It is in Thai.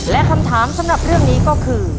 และคำถามสำหรับเรื่องนี้ก็คือ